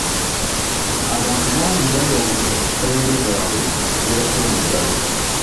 Abantu bangi baayawulibwa ku famire zaabwe mu kiseera ky'omuggalo.